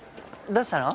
どうしたの？